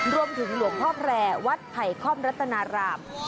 ร่วมถึงหลวงพ่อแพรวัดไผ่ค่อมรัฐนาราม